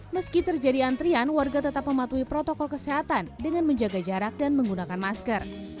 meski terjadi antrian warga tetap mematuhi protokol kesehatan dengan menjaga jarak dan menggunakan masker